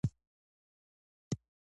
که مینه وي نو ګلزار وي.